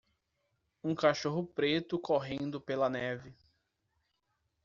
Um cachorro preto correndo pela neve.